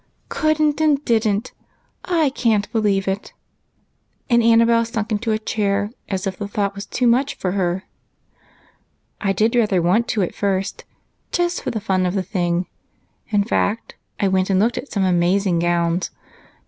"Could and didn't! I can't believe it!" And Annabel sank into a chair, as if the thought was too much for her. "I did rather want to at first, just for the fun of the thing. In fact, I went and looked at some amazing gowns.